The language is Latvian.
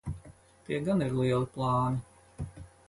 Tie gan ir lieli plāni.